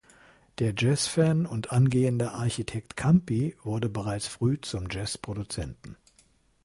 Der Jazzfan und angehende Architekt Campi wurde bereits früh zum Jazz-Produzenten.